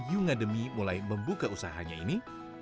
yunga demi mulai membuka usahanya ini